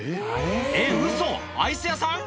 えっウソアイス屋さん？